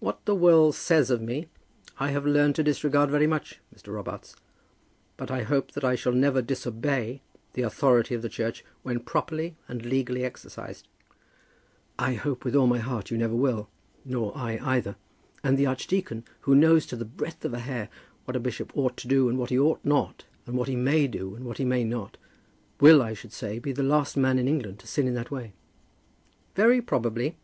"What the world says of me I have learned to disregard very much, Mr. Robarts. But I hope that I shall never disobey the authority of the Church when properly and legally exercised." "I hope with all my heart you never will; nor I either. And the archdeacon, who knows, to the breadth of a hair, what a bishop ought to do and what he ought not, and what he may do and what he may not, will, I should say, be the last man in England to sin in that way." "Very probably.